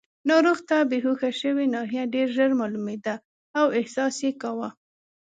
ناروغ ته بېهوښه شوې ناحیه ډېر ژر معلومېده او احساس یې کاوه.